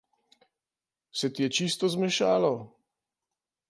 Se ti je čisto zmešalo?